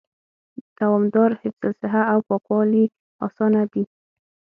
دوامدار حفظ الصحه او پاکوالي آسانه دي